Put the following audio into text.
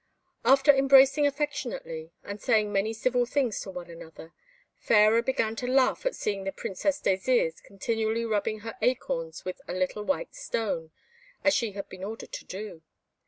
After embracing affectionately, and saying many civil things to one another, Fairer began to laugh at seeing the Princess Désirs continually rubbing her acorns with a little white stone, as she had been ordered to do.